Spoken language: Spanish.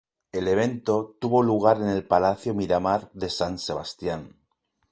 El evento tuvo lugar en el Palacio Miramar de San Sebastian.